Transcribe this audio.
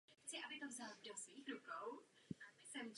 Bakterie jsou nejrozšířenější skupinou organismů na světě.